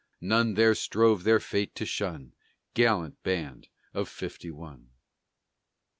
None there strove their fate to shun Gallant band of Fifty one!